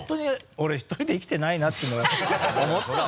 俺１人で生きてないなっていうの思ったわ。